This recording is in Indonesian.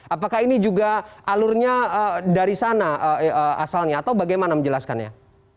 apakah ini juga alurnya dari sana asalnya atau bagaimana menjelaskannya